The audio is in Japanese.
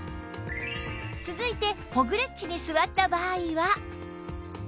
続いてホグレッチに座った場合は